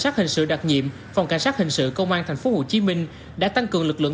sát hình sự đặc nhiệm phòng cảnh sát hình sự công an thành phố hồ chí minh đã tăng cường lực lượng